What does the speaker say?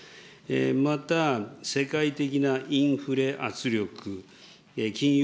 また世界的なインフレ圧力、金融